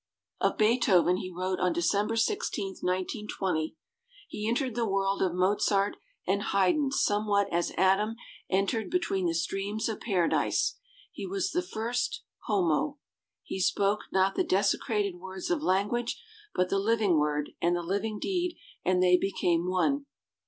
Of Beethoven he wrote on Decem ber 16, 1920 : He entered the world of Mosart and Haydn somewhat as Adam entered between the streams of Paradise. He was the first homo. He spoke, not the desecrated words of language, but the living word and the living deed and they be came one.